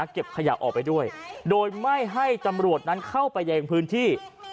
เก็บขยะออกไปด้วยโดยไม่ให้ตำรวจนั้นเข้าไปยังพื้นที่